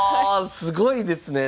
すごいですね。